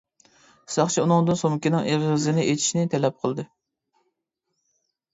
ساقچى ئۇنىڭدىن سومكىنىڭ ئېغىزىنى ئېچىشنى تەلەپ قىلدى.